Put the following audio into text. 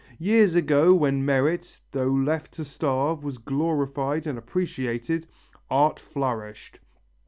Years ago when merit, though left to starve, was glorified and appreciated, art flourished....